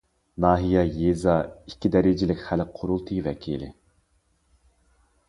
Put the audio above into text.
ناھىيە، يېزا ئىككى دەرىجىلىك خەلق قۇرۇلتىيى ۋەكىلى.